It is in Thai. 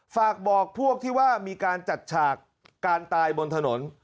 ฝากบอกพวกที่ว่ามีการจัดฉากการตายบนถนน